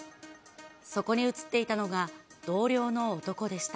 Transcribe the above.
そこに写っていたのが同僚の男でした。